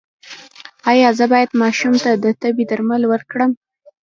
ایا زه باید ماشوم ته د تبې درمل ورکړم؟